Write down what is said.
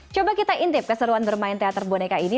coba kita intip keseruan bermain teater boneka ini